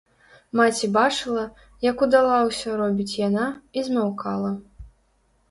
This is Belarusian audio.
Маці бачыла, як удала ўсё робіць яна, і змаўкала.